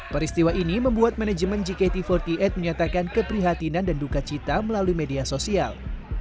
peristiwa ini membuat manajemen gkt empat puluh delapan menyatakan keprihatinan dan duka cita melalui media sosial